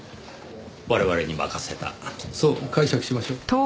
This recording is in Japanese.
我々に任せたそう解釈しましょう。